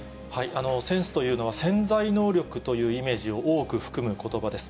センスというのは、潜在能力というイメージを多く含むことばです。